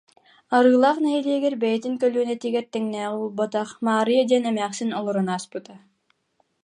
Арыылаах нэһилиэгэр бэйэтин көлүөнэтигэр тэҥнээҕин булбатах Маарыйа диэн эмээхсин олорон ааспыта